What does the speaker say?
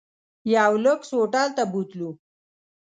یو لوکس هوټل ته بوتلو.